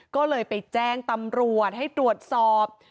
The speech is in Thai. ก็เลยไปแจ้งตำรวจให้ตรวจสอบ